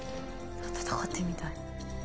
闘ってるみたい。